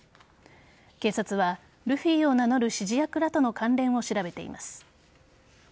警察はルフィを名乗る指示役らとの関連を調べています。